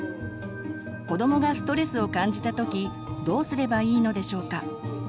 子どもがストレスを感じた時どうすればいいのでしょうか。